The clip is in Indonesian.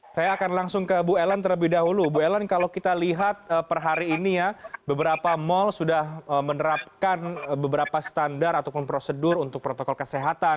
saya akan langsung ke bu ellen terlebih dahulu bu ellen kalau kita lihat per hari ini ya beberapa mal sudah menerapkan beberapa standar ataupun prosedur untuk protokol kesehatan